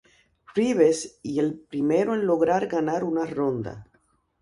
Rives, y el primero en lograr ganar una ronda.